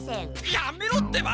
やめろってば！